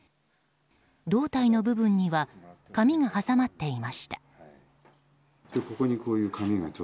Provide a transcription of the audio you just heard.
胴体の部分には紙が挟まっていました。